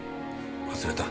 忘れた。